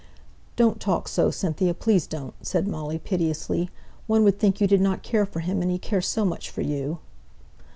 "Don't talk so, Cynthia, please don't," said Molly, piteously. "One would think you didn't care for him, and he cares so much for you!"